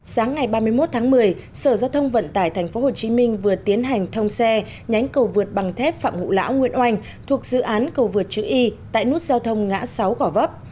sáng ngày ba mươi một tháng một mươi sở giao thông vận tải tp hcm vừa tiến hành thông xe nhánh cầu vượt bằng thép phạm ngũ lão nguyễn oanh thuộc dự án cầu vượt chữ y tại nút giao thông ngã sáu gò vấp